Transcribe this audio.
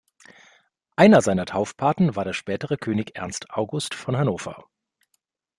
Einer seiner Taufpaten war der spätere König Ernst August von Hannover.